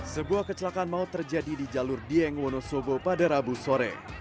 sebuah kecelakaan maut terjadi di jalur dieng wonosobo pada rabu sore